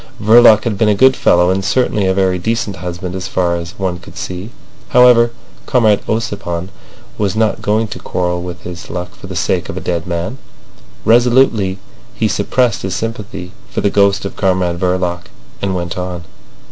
Verloc had been a good fellow, and certainly a very decent husband as far as one could see. However, Comrade Ossipon was not going to quarrel with his luck for the sake of a dead man. Resolutely he suppressed his sympathy for the ghost of Comrade Verloc, and went on.